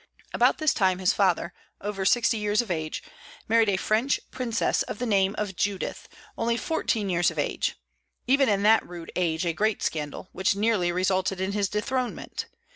About this time his father, over sixty years of age, married a French princess of the name of Judith, only fourteen years of age, even in that rude age a great scandal, which nearly resulted in his dethronement.